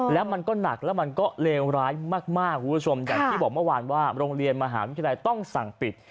แล้วมันก็หนักแล้วมันก็เลวร้ายมากคุณผู้ชมอย่างที่บอกเมื่อวานว่าโรงเรียนมหาวิทยาลัยต้องสั่งปิด